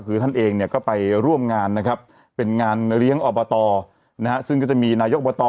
คือท่านเองเนี่ยก็ไปร่วมงานนะครับเป็นงานเลี้ยงอบตนะฮะซึ่งก็จะมีนายกอบต